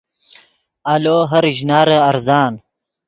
آلو ہر اشنارے ارزان